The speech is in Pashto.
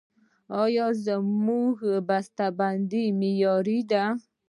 آیا زموږ بسته بندي معیاري ده؟